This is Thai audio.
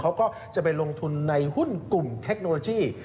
เขาก็จะไปลงทุนในหุ้นกลุ่มเทคโนโลยี